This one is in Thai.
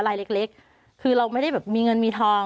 ลายเล็กคือเราไม่ได้แบบมีเงินมีทอง